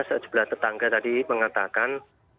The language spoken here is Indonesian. sejumlah tetangga tadi mengatakan